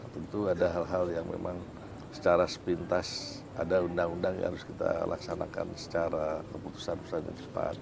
tentu ada hal hal yang memang secara sepintas ada undang undang yang harus kita laksanakan secara keputusan keputusan yang cepat